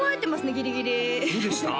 ギリギリどうでした？